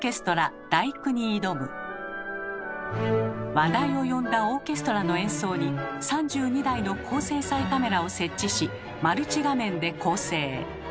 話題を呼んだオーケストラの演奏に３２台の高精細カメラを設置しマルチ画面で構成。